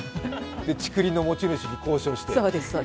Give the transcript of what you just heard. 竹林の持ち主に交渉して。